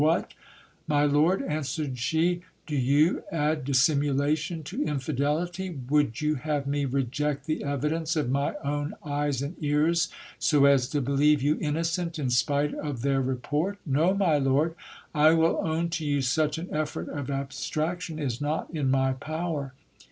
"What ! my lord, answered she, do you add dissimulation to infidelity ? Would you have me reject the evidence of my own eyes and ears, so as to believe you innocent in spite of their report ? No, my lord, I will own to you such an effort of abstrac tion is not in my power.